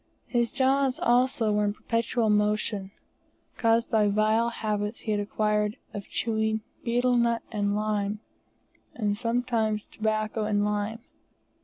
His jaws also were in perpetual motion, caused by vile habits he had acquired of chewing betel nut and lime, and sometimes tobacco and lime.